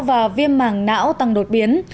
và viêm mảng não tăng đột biến